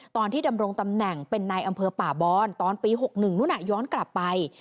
ตอนที่ดำรงตำแหน่งเป็นนายอำเภอป่าบอนตอนปี๖๑นู้นย้อนกลับไป